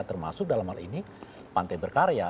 termasuk dalam hal ini pantai berkarya